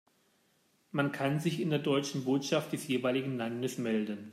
Man kann sich in der deutschen Botschaft des jeweiligen Landes melden.